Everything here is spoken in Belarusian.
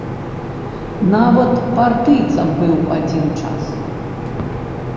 Нават партыйцам быў адзін час.